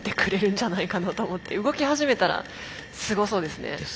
動き始めたらすごそうですね。